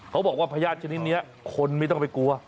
เขาบอกว่าพญาติชนิดนี้คนไม่ต้องไปกลัว